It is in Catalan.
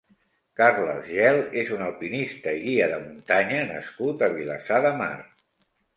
Carles Gel és un alpinista i guia de muntanya nascut a Vilassar de Mar.